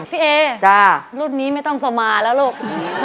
พี่เอรุ่นนี้ไม่ต้องสมาแล้วลูก